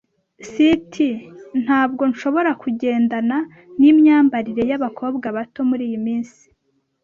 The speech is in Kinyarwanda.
S] [T] Ntabwo nshobora kugendana nimyambarire yabakobwa bato muriyi minsi.